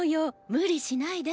無理しないで。